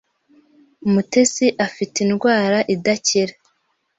Mutesi afite indwara idakira.